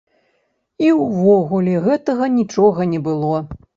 І ўвогуле гэтага нічога не было.